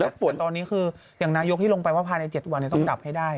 ฝนตอนนี้คืออย่างนายกที่ลงไปว่าภายใน๗วันต้องดับให้ได้